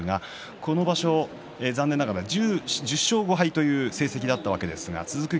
この場所は残念ながら１０勝５敗という成績だったわけですが続く